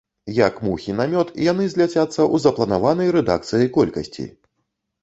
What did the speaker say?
Як мухі на мёд, яны зляцяцца ў запланаванай рэдакцыяй колькасці.